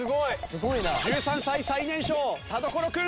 １３歳最年少田所君！